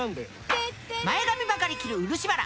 前髪ばかり切る漆原。